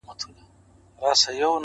قلم د زلفو يې د هر چا زنده گي ورانوي!